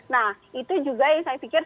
nah itu juga yang saya pikir